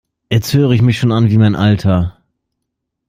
Jetzt höre ich mich schon an wie mein Alter!